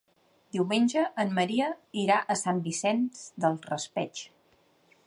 Diumenge en Maria irà a Sant Vicent del Raspeig.